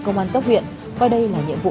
công an cấp huyện coi đây là nhiệm vụ